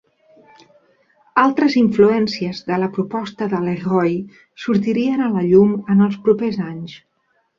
Altres influències de la proposta de LeRoy sortirien a la llum en els propers anys.